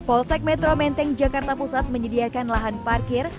polsek metro menteng jakarta pusat menyediakan lahan parkir